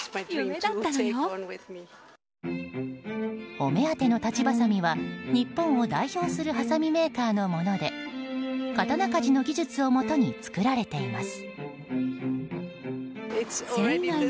お目当てのたちばさみは日本を代表するはさみメーカーのもので刀鍛冶の技術をもとに作られています。